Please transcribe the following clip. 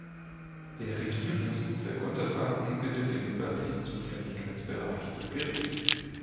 Der Regierungsbezirk Unterfranken bildet den örtlichen Zuständigkeitsbereich des Gerichts.